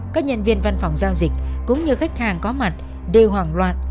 các nhân viên văn phòng giao dịch cũng như khách hàng có mặt đều hoảng loạn